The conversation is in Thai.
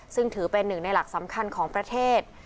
ซึ่งถือเป็นหนึ่งในหลักสำคัญของประเทศ